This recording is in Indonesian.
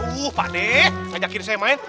wuh pak dek ajakin saya main